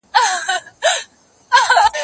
ځواب د زده کوونکي له خوا ليکل کيږي،